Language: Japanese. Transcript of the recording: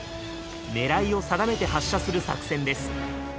狙いを定めて発射する作戦です。